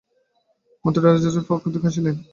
মন্ত্রী রাজার অপেক্ষা অধিক হাসিলেন।